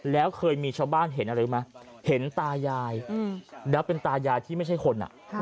แล้วเคยมีชาวบ้านเห็นอะไรรู้ไหมเห็นตายายแล้วเป็นตายายที่ไม่ใช่คน